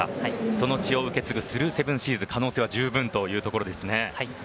その血を受け継ぐスルーセブンシーズの可能性は十分というところですね。